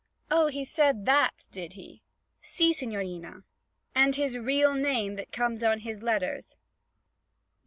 "' 'Oh, he said that, did he?' 'Si, signorina.' 'And his real name that comes on his letters?'